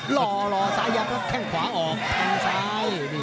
หล่อหล่อซ้ายังแค่งขวาออกแค่งซ้าย